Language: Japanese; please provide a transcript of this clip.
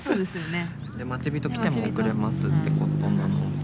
「待ち人来ても遅れます」ってことなので。